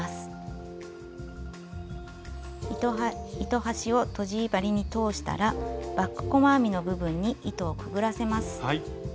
糸端をとじ針に通したらバック細編みの部分に糸をくぐらせます。